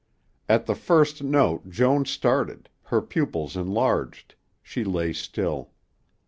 At the first note Joan started, her pupils enlarged, she lay still.